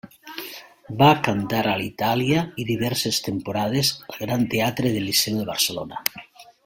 Va cantar a Itàlia i diverses temporades al Gran Teatre del Liceu de Barcelona.